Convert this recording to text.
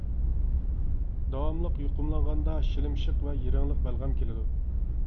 داۋاملىق يۇقۇملانغاندا شىلىمشىق ۋە يىرىڭلىق بەلغەم كېلىدۇ.